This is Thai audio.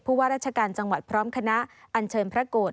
ว่าราชการจังหวัดพร้อมคณะอันเชิญพระโกรธ